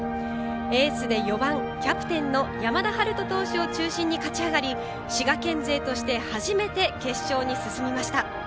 エースで４番、キャプテンの山田陽翔投手を中心に勝ち上がり滋賀県勢として初めて決勝に進みました。